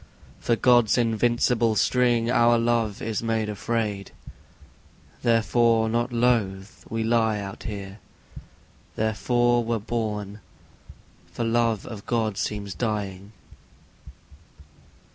For God's invincible spring our love is made afraid; Therefore, not loath, we lie out here; therefore were born, For love of God seems dying.